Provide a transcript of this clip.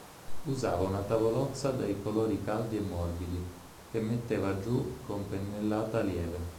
Usava una tavolozza dai colori caldi e morbidi, che metteva giù con pennellata lieve.